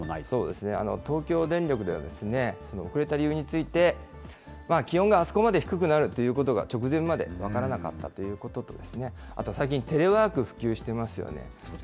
そうですね、東京電力では遅れた理由について、気温があそこまで低くなるということが、直前まで分からなかったということと、あと最近、テレワーク普及していますよね。